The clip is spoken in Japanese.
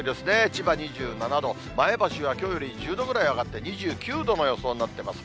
千葉２７度、前橋はきょうより１０度くらい上がって２９度の予想になってます。